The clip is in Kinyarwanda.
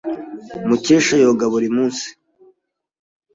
Mukesha yoga buri munsi.